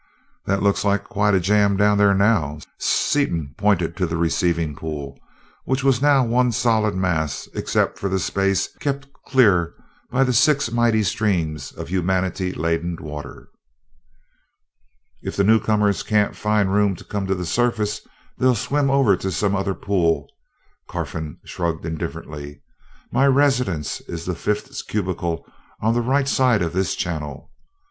"That looks like quite a jam down there now." Seaton pointed to the receiving pool, which was now one solid mass except for the space kept clear by the six mighty streams of humanity laden water. "If the newcomers can't find room to come to the surface they'll swim over to some other pool." Carfon shrugged indifferently. "My residence is the fifth cubicle on the right side of this channel.